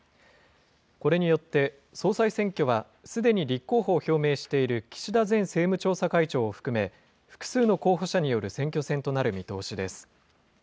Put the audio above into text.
これによって、総裁選挙はすでに立候補を表明している岸田前政務調査会長を含め、複数の候補者による選挙戦となる見通しです。